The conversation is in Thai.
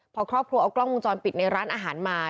พอครอบครัวเอากล้องวงจรปิดในร้านอาหารมา